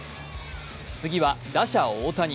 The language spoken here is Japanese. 次は打者・大谷。